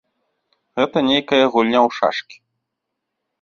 Гэта нейкая гульня ў шашкі.